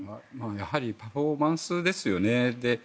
やはりパフォーマンスですよね。